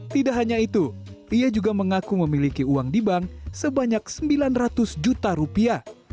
tidak hanya itu ia juga mengaku memiliki uang di bank sebanyak sembilan ratus juta rupiah